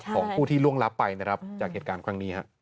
ของผู้ที่ล่วงรับไปนะครับจากเหตุการณ์ครั้งนี้